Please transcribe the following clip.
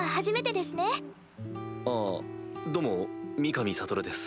あどうも三上悟です。